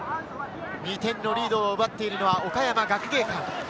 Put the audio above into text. ２点のリードを奪っているのは岡山学芸館。